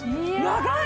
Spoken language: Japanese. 長い！